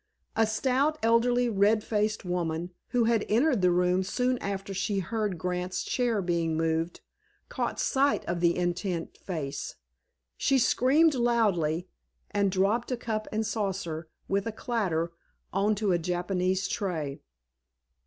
A stout, elderly, red faced woman, who had entered the room soon after she heard Grant's chair being moved, caught sight of the intent face. She screamed loudly, and dropped a cup and saucer with a clatter on to a Japanese tray.